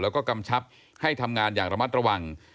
แล้วก็กำชับให้ทำงานอย่างระมัดระวัง